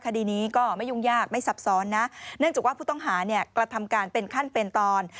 คดีนี้ก็ไม่ยุ่งยากไม่ซับซ้อนนะเนื่องจากว่าผู้ต้องหาเนี่ยกระทำการเป็นขั้นเป็นตอน